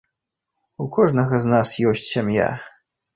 У кожнага з нас ёсць сям'я.